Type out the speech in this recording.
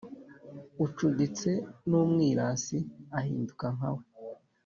ucuditse n’umwirasi, ahinduka nka we